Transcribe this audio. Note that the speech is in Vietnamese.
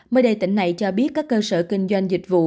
mời đề tỉnh này cho biết các cơ sở kinh doanh dịch vụ